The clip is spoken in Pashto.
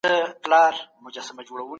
ککړه هوا ورسره ننوځي.